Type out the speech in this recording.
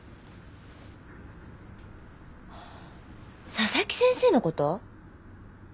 佐々木先生の事？